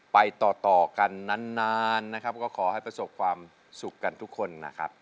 ไปต่อต่อกันนานนะครับก็ขอให้ประสบความสุขกันทุกคนนะครับ